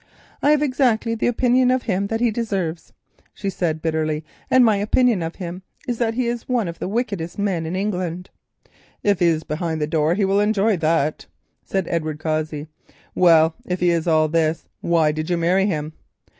"I have exactly the opinion of him which he deserves," she said bitterly; "and my opinion of him is that he is one of the wickedest men in England." "If he is behind the door he will enjoy that," said Edward Cossey. "Well, if he is all this, why did you marry him?"